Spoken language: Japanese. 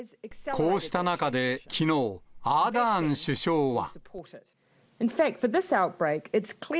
こうした中できのう、アーダーン首相は。